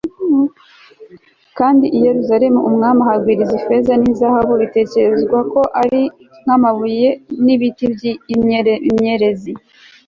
kandi i yerusalemu umwami ahagwiriza ifeza n'izahabu bitekerezwa ko ari nk'amabuye n'ibiti by'imyerezi